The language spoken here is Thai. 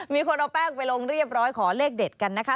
มีคนเอาแป้งไปลงเรียบร้อยขอเลขเด็ดกันนะคะ